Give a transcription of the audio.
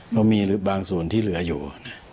ก็มีบางส่วนที่เหลืออยู่